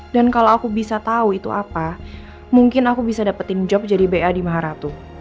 dan kalau aku bisa tahu itu apa mungkin aku bisa dapetin job jadi ba di maharatu